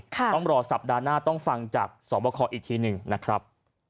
ต้องรอสัปดาห์หน้าต้องฟังจากสอบคออีกทีหนึ่งนะครับ